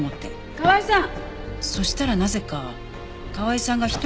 河合さん！